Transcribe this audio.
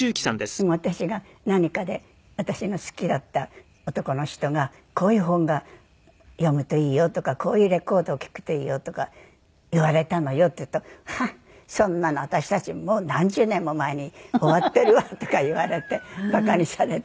でも私が何かで私の好きだった男の人がこういう本が「読むといいよ」とか「こういうレコードを聴くといいよ」とか言われたのよっていうと「はっそんなの私たちもう何十年も前に終わっているわ」とか言われて馬鹿にされて。